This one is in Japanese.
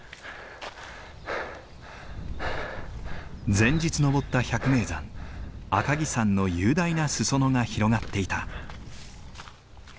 前日登った百名山赤城山の雄大な裾野が広がっていた。